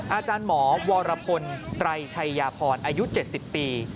อาจารย์หมอวรพลไตรชัยยาพรอายุ๗๐ปี